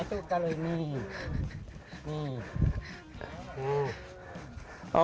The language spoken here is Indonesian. iotnik untuk i whoa